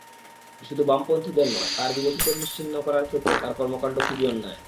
শুধু বামপন্থীদের নয়, তাঁর বিরোধীদের নিশ্চিহ্ন করার ক্ষেত্রে তাঁর কর্মকাণ্ড খুবই অন্যায়।